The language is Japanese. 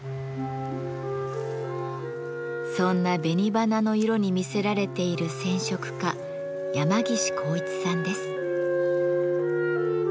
そんな紅花の色に魅せられている染織家山岸幸一さんです。